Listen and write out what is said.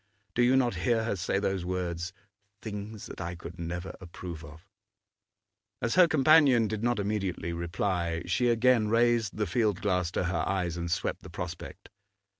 Do you not hear her say those words: 'things that I could never approve of'? As her companion did not immediately reply, she again raised the field glass to her eyes and swept the prospect.